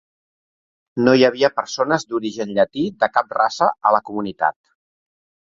No hi havia persones d'origen llatí de cap raça al a comunitat.